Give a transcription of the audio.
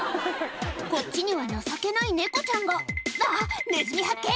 こっちには情けない猫ちゃんが「あっネズミ発見！